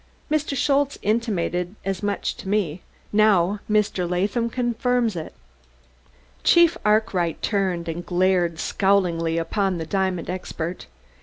Mr. Schultze intimated as much to me; now Mr. Latham confirms it." Chief Arkwright turned and glared scowlingly upon the diamond expert.